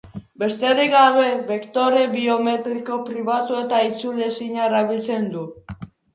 Besterik gabe, bektore biometriko pribatu eta itzulezina erabiltzen du.